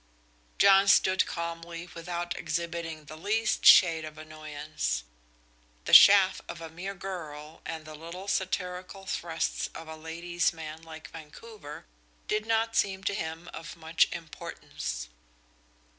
John stood calmly by without exhibiting the least shade of annoyance. The chaff of a mere girl, and the little satirical thrusts of a lady's man like Vancouver, did not seem to him of much importance.